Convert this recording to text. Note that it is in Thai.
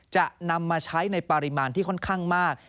จะนำมาใช้ในปริมาณที่ค่อนข้างมาก